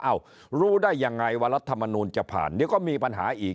รู้ได้ยังไงว่ารัฐมนูลจะผ่านเดี๋ยวก็มีปัญหาอีก